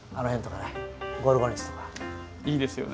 いいですよね。